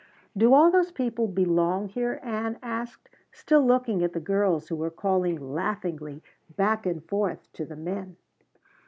"Do all those people belong here?" Ann asked, still looking at the girls who were calling laughingly back and forth to the men.